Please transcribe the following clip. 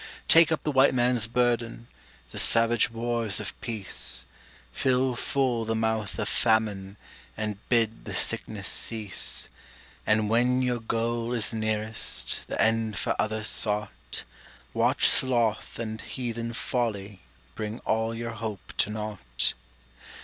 Take up the White Man's burden The savage wars of peace Fill full the mouth of Famine And bid the sickness cease; And when your goal is nearest The end for others sought, Watch Sloth and heathen Folly Bring all your hope to naught.